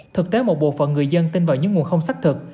thực tế một bộ phận người dân tin vào những nguồn không xác thực